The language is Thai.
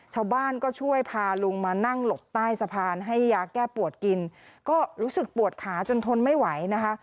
ชาวบ้านก็ช่วยพาลุงมานั่งหลบใต้สะพานให้ยาแก้ปวดกินก็รู้สึกปวดขาจนทนไม่ไหวนะคะ